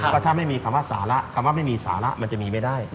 ก็ถ้าไม่มีคำว่าสาระคำว่าไม่มีสาระมันจะมีไม่ได้